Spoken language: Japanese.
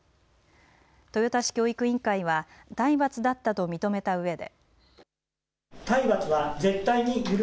豊田市教育委員会は体罰だったと認めたうえで。